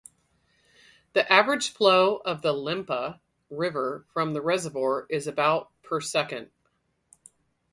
The average flow of the Lempa River from the reservoir is about per second.